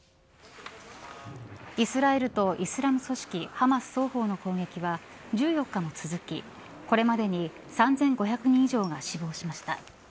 イスラエルとイスラム組織ハマス双方の攻撃は１４日も続きこれまでに３５００人以上が死亡しました。